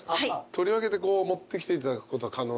取り分けて持ってきていただくことは可能ですか？